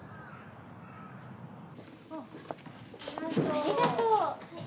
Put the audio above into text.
ありがとう。